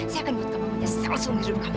saya akan buat kamu menyesal seumur hidup kamu